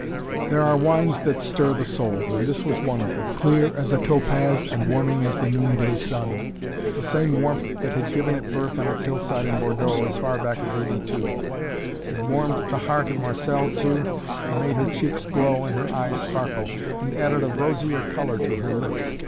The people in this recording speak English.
There are wines that stir the soul, and this was one of them clear as a topaz and warming as the noonday sun the same warmth that had given it birth on its hillside in Bordeaux, as far back as '82. It warmed the heart of Marcelle, too, and made her cheeks glow and her eyes sparkle and added a rosier color to her lips.